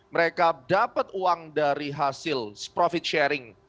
mereka dapat uang dari hasil profit sharing